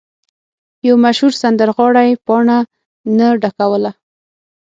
یو مشهور سندرغاړی پاڼه نه ډکوله.